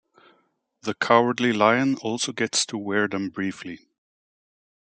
The Cowardly Lion also gets to wear them briefly.